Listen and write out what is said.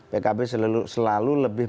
pkb selalu lebih